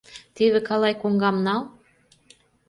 Теве калай коҥгам нал...